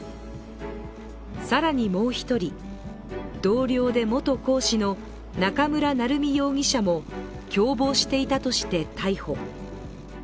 更にもう一人、同僚で元講師の中村成美容疑者も共謀していたとして逮捕。